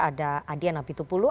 ada adhiana pitupulu